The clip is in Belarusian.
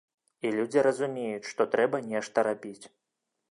І людзі разумеюць, што трэба нешта рабіць.